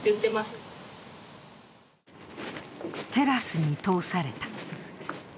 テラスに通された。